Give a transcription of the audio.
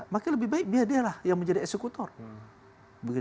maka lebih baik biarlah dia yang menjadi ekonominya